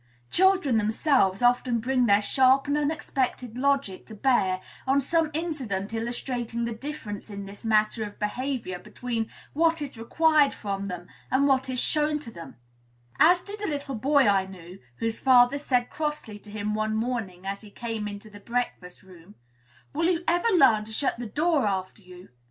Children themselves often bring their sharp and unexpected logic to bear on some incident illustrating the difference in this matter of behavior between what is required from them and what is shown to them: as did a little boy I knew, whose father said crossly to him one morning, as he came into the breakfast room, "Will you ever learn to shut that door after you?"